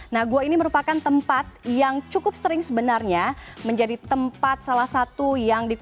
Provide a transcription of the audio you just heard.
nah gua ini merupakan tempat yang cukup sering sebenarnya menjadi tempat salah satu yang